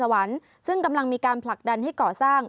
สวรรค์ซึ่งกำลังมีการผลักดันให้ก่อสร้าง